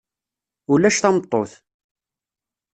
Ulac tameṭṭut.